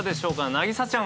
凪咲ちゃん。